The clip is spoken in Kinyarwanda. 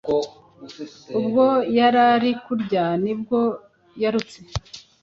Ubwo yarari kurya nibwo yarutse